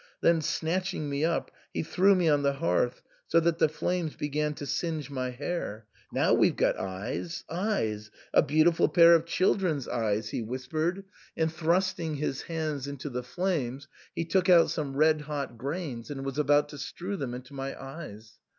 Then, snatching me up, he threw me on the hearth, so that the flames began to singe my hair. " Now we've got eyes — eyes — a beautiful pair of children's eyes," he 176 THE SAND'MAN. whispered^ and, thrusting his hands into the flames he took out some red hot g^ns and was about to strew them into my eyes.